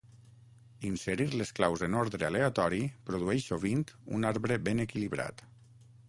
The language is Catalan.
Inserir les claus en ordre aleatori produeix sovint un arbre ben equilibrat.